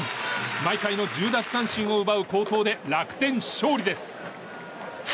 毎回の１０奪三振を奪う好投で楽天、勝利です。